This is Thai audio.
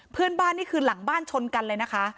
เพื่อนบ้านนี่คือหลังบ้านชนกันเลยนะคะ